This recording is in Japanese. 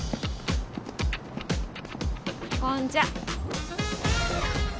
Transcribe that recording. こんちは。